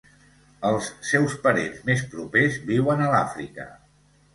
Els seus parents més propers viuen a l'Àfrica.